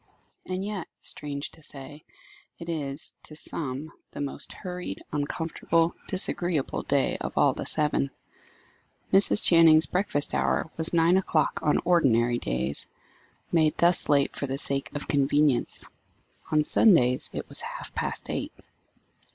And yet, strange to say, it is, to some, the most hurried, uncomfortable, disagreeable day of all the seven. Mrs. Channing's breakfast hour was nine o'clock on ordinary days, made thus late for the sake of convenience. On Sundays it was half past eight.